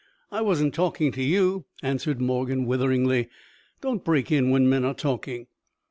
"I wasn't talking to you," answered Morgan witheringly. "Don't break in when men are talking."